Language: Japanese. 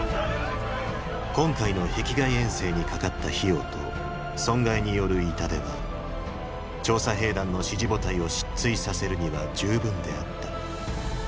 今回の壁外遠征にかかった費用と損害による痛手は調査兵団の支持母体を失墜させるには十分であった。